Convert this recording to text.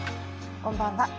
こんばんは。